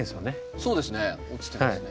そうですね落ちてますね。